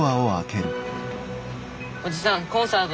おじさんコンサートに来て。